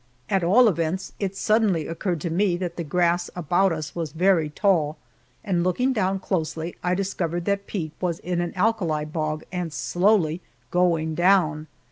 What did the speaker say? At all events, it suddenly occurred to me that the grass about us was very tall, and looking down closely I discovered that Pete was in an alkali bog and slowly going down.